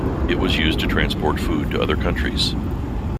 It was used to transport food to other countries.